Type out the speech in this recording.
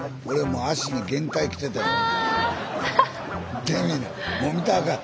俺もう足に限界来てたんや。